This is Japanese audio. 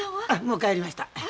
もう帰りました。